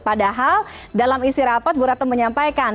padahal dalam isi rapat burato menyampaikan